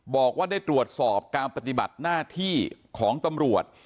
บอกว่าได้ตรวจสอบการปฏิบัติหน้าที่ของตำรวจ